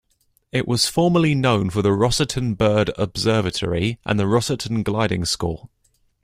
It was formerly known for the Rossitten Bird Observatory and the Rossitten gliding school.